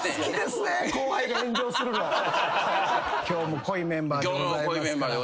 今日も濃いメンバーでございますから。